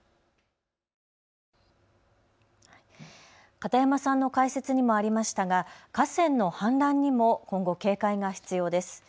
片山さんの解説にもありましたが河川の氾濫にも今後、警戒が必要です。